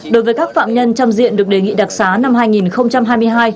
đối với các phạm nhân trăm diện được đề nghị đặc sá năm hai nghìn hai mươi hai